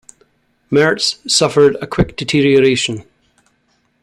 Mertz suffered a quick deterioration.